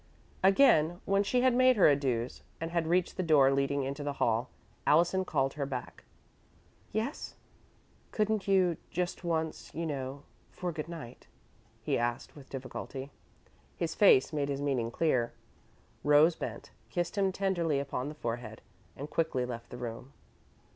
Again, when she had made her adieux and had reached the door leading into the hall, Allison called her back. "Yes?" "Couldn't you just once, you know for good night?" he asked, with difficulty. His face made his meaning clear. Rose bent, kissed him tenderly upon the forehead, and quickly left the room.